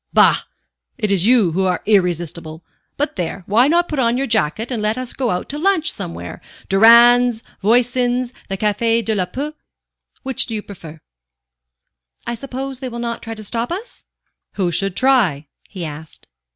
"Bah! It is you who are irresistible. But there, why not put on your jacket and let us go out to lunch somewhere Durand's, Voisin's, the Café de le Paix? Which do you prefer?" "I suppose they will not try to stop us?" "Who should try?" he asked.